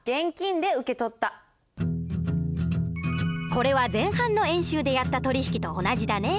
これは前半の演習でやった取引と同じだね。